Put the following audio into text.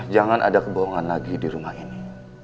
jangan ada kebohongan lagi di rumah ini